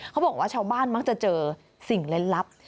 เขาบอกว่าชาวบ้านมักจะเจอสิ่งเล่นลับ